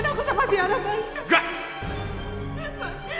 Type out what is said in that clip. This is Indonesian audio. aku sampe biar amat